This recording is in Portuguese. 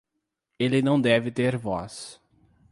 Ele não deve ter voz.